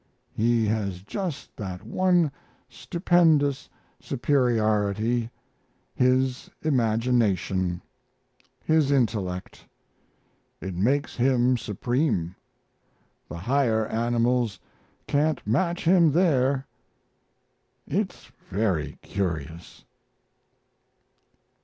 He has just that one stupendous superiority his imagination, his intellect. It makes him supreme the higher animals can't match him there. It's very curious."